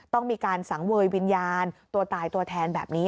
ต้องมีการสังเวยวิญญาณตัวตายตัวแทนแบบนี้